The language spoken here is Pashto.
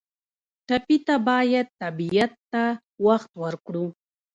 ټپي ته باید طبیعت ته وخت ورکړو.